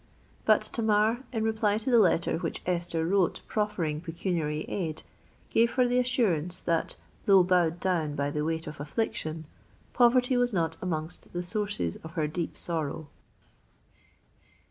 But Tamar, in reply to the letter which Esther wrote proffering pecuniary aid, gave her the assurance that, though bowed down by the weight of affliction, poverty was not amongst the sources of her deep sorrow.